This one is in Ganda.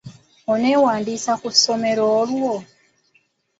Onewandiisa ku lusoma olwo?